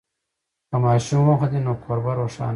که ماشوم وخاندي، نو کور به روښانه شي.